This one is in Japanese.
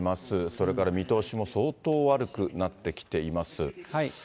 それから見通しも相当悪くなってきています。